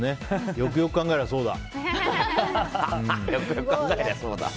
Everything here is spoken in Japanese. よくよく考えれば、そうだ。